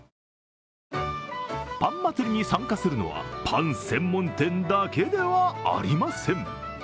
パン祭りに参加するのはパン専門店だけではありません。